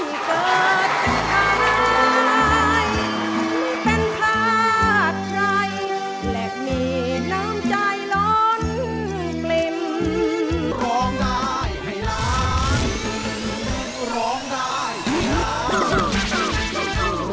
และมีน้ำใจร้อนกลิ่ม